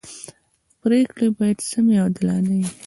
پریکړي باید سمي او عادلانه يي.